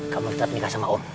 kamu tetap nikah sama om